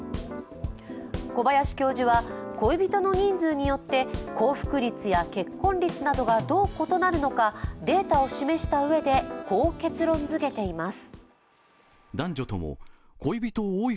小林教授は恋人の人数によって幸福率や結婚率がどう異なるのかデータを示したうえでこう結論づけています。